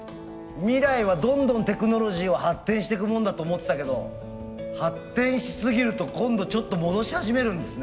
未来はどんどんテクノロジーを発展してくもんだと思ってたけど発展しすぎると今度ちょっと戻し始めるんですね。